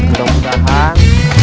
untuk kerjaan